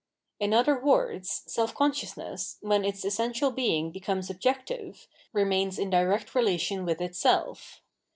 In other words, self consciousness, when its essential being becomes objective, remains in direct relation with itself.